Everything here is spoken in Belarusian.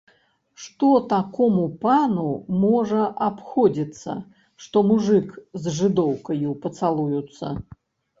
Што такому пану можа абходзіцца, што мужык з жыдоўкаю пацалуюцца?